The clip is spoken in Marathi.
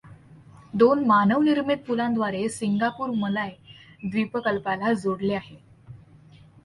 दोन मानवनिर्मित पुलांद्वारे सिंगापूर मलाय द्वीपकल्पाला जोडले आहे.